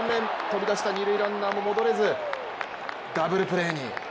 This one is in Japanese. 飛び出した二塁ランナーも戻れずダブルプレーに。